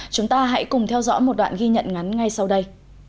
chúng ta hãy cùng theo dõi một đoạn ghi nhận ngắn ngay sau đây